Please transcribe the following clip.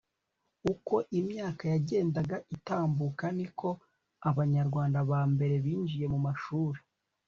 uko imyaka yagendaga itambuka ni ko abanyarwanda ba mbere binjiye mu mashuri